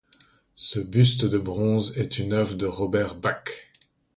Ce buste de bronze est une œuvre de Robert Bach.